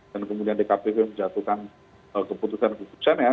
dan kemudian dkpp menjatuhkan keputusan keputusannya